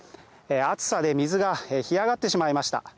暑さで水が干上がってしまいました。